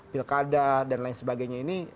pilkada dan lain sebagainya ini